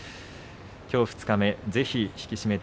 きょう二日目、ぜひ引き締めて